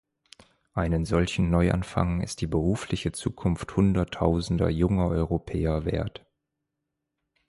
Einen solchen Neuanfang ist die berufliche Zukunft Hunderttausender junger Europäer wert!